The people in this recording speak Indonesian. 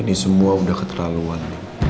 ini semua udah keterlaluan